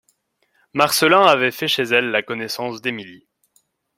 Marcelin avait fait chez elle la connaissance d'Émile.